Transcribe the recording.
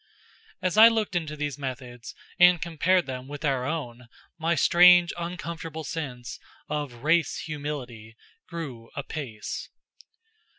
As I looked into these methods and compared them with our own, my strange uncomfortable sense of race humility grew apace.